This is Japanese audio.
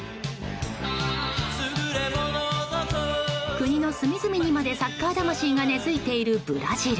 国の隅々にまで、サッカー魂が根付いているブラジル。